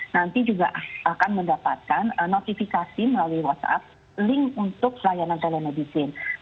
nanti juga akan mendapatkan notifikasi melalui whatsapp link untuk layanan telemedicine